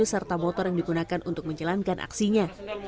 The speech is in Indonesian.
serta motor yang digunakan untuk menjalankan aksinya